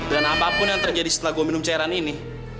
dan apapun yang terjadi setelah gue minum cairan ini